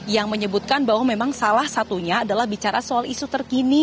yang menyebutkan bahwa memang salah satunya adalah bicara soal isu terkini